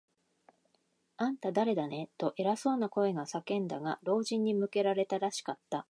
「あんた、だれだね？」と、偉そうな声が叫んだが、老人に向けられたらしかった。